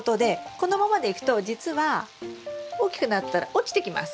このままでいくとじつは大きくなったら落ちてきます。